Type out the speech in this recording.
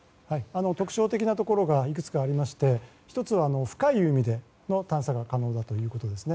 特徴的なところがいくつかありまして１つは、深い海での探索が可能だということです。